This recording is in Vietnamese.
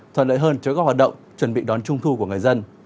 thuận lợi hơn cho các hoạt động chuẩn bị đón trung thu của người dân